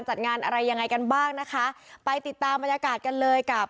จัดงานอะไรยังไงกันบ้างนะคะไปติดตามบรรยากาศกันเลยกับ